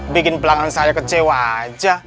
bikin pelanggan saya kecewa aja